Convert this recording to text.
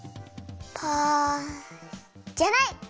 パじゃない！